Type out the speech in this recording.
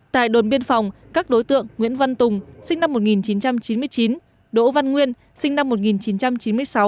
tại đồn biên phòng các đối tượng nguyễn văn tùng sinh năm một nghìn chín trăm chín mươi chín đỗ văn nguyên sinh năm một nghìn chín trăm chín mươi sáu